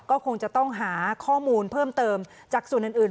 ก็คงจะต้องหาข้อมูลเพิ่มเติมจากส่วนอื่น